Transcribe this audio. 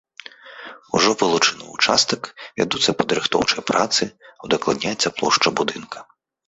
Ужо вылучаны ўчастак, вядуцца падрыхтоўчыя працы, удакладняецца плошча будынка.